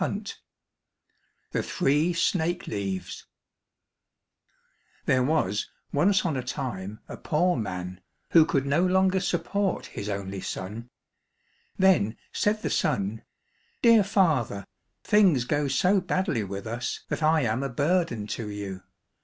16 The Three Snake Leaves There was once on a time a poor man, who could no longer support his only son. Then said the son, "Dear father, things go so badly with us that I am a burden to you.